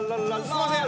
すいません。